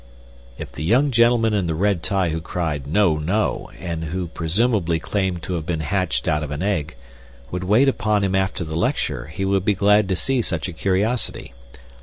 If the young gentleman in the red tie who cried "No, no," and who presumably claimed to have been hatched out of an egg, would wait upon him after the lecture, he would be glad to see such a curiosity.